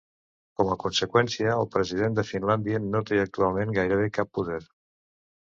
Com a conseqüència, el president de Finlàndia no té actualment gairebé cap poder.